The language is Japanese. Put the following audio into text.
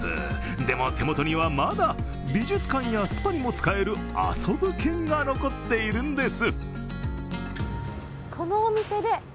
でも手元には、まだ美術館やスパにも使える遊ぶ券が残っているんです。